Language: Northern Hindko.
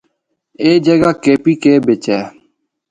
اے جگہ کے پی کے بچ ہے۔